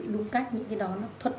đúng cách những cái đó nó thuật lợi